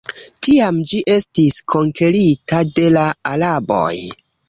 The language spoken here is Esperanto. Tiam ĝi estis konkerita de la araboj.